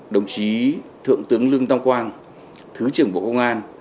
đồng chí thượng tướng lương tam quang thứ trưởng bộ công an